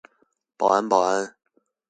保安保安